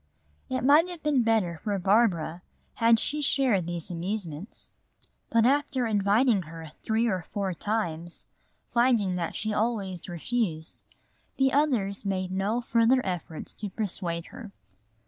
It might have been better for Barbara had she shared these amusements. But after inviting her three or four times, finding that she always refused, the others made no further efforts to persuade her.